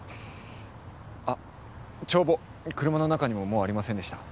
あっ帳簿車の中にももうありませんでした。